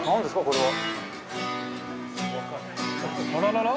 これは。